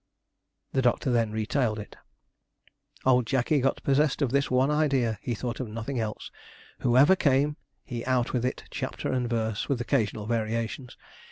The doctor then retailed it. Old Jackey got possessed of this one idea he thought of nothing else. Whoever came, he out with it, chapter and verse, with occasional variations.